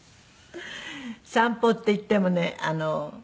散歩っていってもね